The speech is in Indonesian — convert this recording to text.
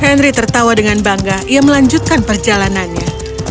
henry tertawa dengan bangga ia melanjutkan perjalanannya